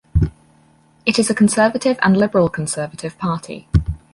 It is a conservative and liberal conservative party.